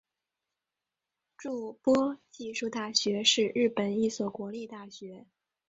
筑波技术大学是日本的一所国立大学。